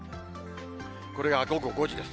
これが午後５時です。